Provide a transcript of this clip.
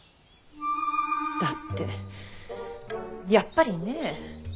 だってやっぱりねえ。